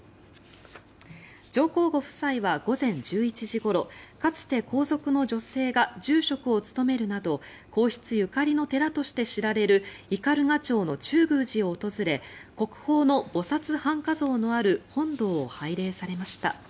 上皇ご夫妻は午前１１時ごろかつて皇族の女性が住職を務めるなど皇室ゆかりの寺として知られる斑鳩町の中宮寺を訪れ国宝の菩薩半跏像のある本堂を拝礼されました。